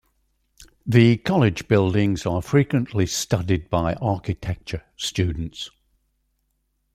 The college buildings are frequently studied by architecture students.